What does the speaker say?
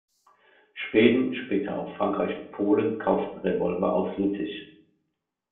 Schweden, später auch Frankreich und Polen kauften Revolver aus Lüttich.